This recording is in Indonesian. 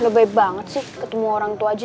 lebih banget sih ketemu orang tua aja